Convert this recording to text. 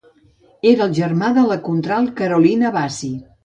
Era el germà de la contralt Carolina Bassi.